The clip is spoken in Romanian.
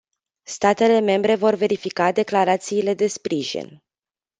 Statele membre vor verifica declarațiile de sprijin.